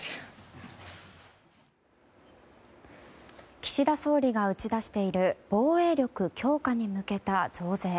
岸田総理が打ち出している防衛力強化に向けた増税。